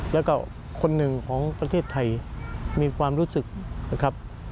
แล้วก็คนหนึ่งของประเทศไทยมีความรู้สึกนะครับ